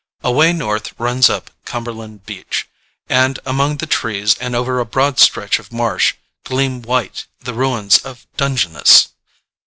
Away north runs up Cumberland Beach, and among the trees and over a broad stretch of marsh gleam white the ruins of "Dungeness."